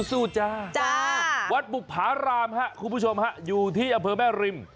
สู้จ้าจ้าวัดบุภารามฮะคุณผู้ชมฮะอยู่ที่อำเภอแม่ริม